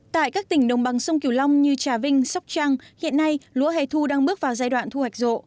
tại các tỉnh đồng bằng sông kiều long như trà vinh sóc trăng hiện nay lúa hẻ thu đang bước vào giai đoạn thu hoạch rộ